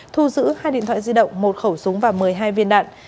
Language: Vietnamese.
thu giữ hai điện thoại di động một khẩu súng và một mươi hai viên đạn